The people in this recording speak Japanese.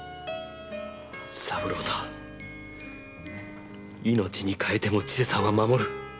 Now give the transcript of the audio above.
三郎太命に代えても千世さんは守る。